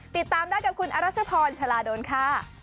ติดตามได้กับคุณอรัชพรชาลาดลค่ะ